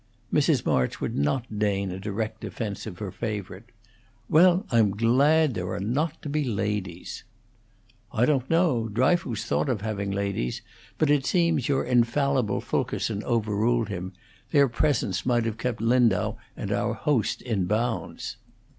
Mrs. March would not deign a direct defence of her favorite. "Well, I'm glad there are not to be ladies." "I don't know. Dryfoos thought of having ladies, but it seems your infallible Fulkerson overruled him. Their presence might have kept Lindau and our host in bounds."